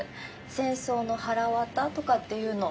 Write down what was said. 「戦争のはらわた」とかっていうの。